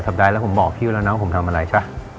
สัปดาห์แล้วผมบอกพี่แล้วนะว่าผมทำอะไรใช่ป่ะ